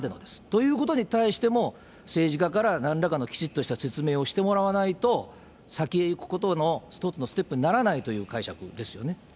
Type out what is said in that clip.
ということに対しても、政治家からなんらかのきちっとした説明をしてもらわないと、先へ行くことの一つのステップにならないという解釈ですよね？